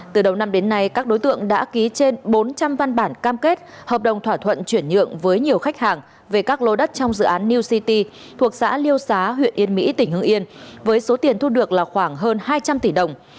từ đầu năm đến nay các đối tượng đã ký trên bốn trăm linh văn bản cam kết hợp đồng thỏa thuận chuyển nhượng với nhiều khách hàng về các lô đất trong dự án new city thuộc xã liêu xá huyện yên mỹ tỉnh hưng yên với số tiền thu được là khoảng hơn hai trăm linh tỷ đồng